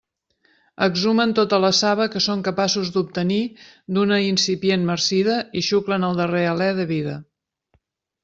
Exhumen tota la saba que són capaços d'obtenir d'una incipient marcida i xuclen el darrer alé de vida.